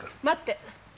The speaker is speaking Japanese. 待って。